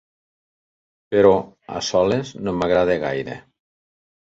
Però a soles no m'agrada gaire.